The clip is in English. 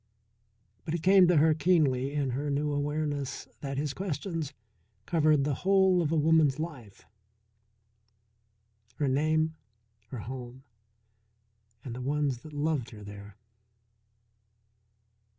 But it came to her keenly in her new awareness that his questions covered the whole of a woman's life: Her name, her home, and the ones that loved her there.